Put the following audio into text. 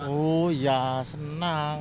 oh ya senang